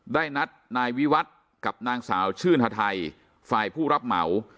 ได้นัดนายวิวัตรกับนางสาวชื่นฮาไทยฝ่ายผู้รับเหมา